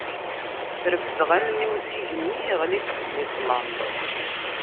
Refdeɣ allen-iw s igenni, yeɣli-d fell-i ṭlam.